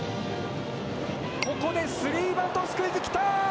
ここでスリーバントスクイズ来た！